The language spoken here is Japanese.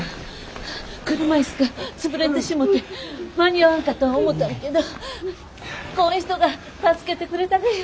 車椅子が潰れてしもて間に合わんかと思たんやけどこん人が助けてくれたがよ。